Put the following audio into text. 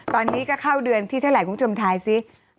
ตอนนี้ก็เข้าเดือนที่เท่าไหร่คุณผู้ชมทายสิ